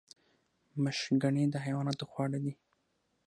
مشګڼې د حیواناتو خواړه دي